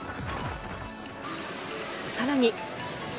さらに。